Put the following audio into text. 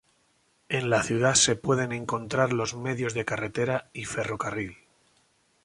En la ciudad se pueden encontrar los medios de carretera y ferrocarril.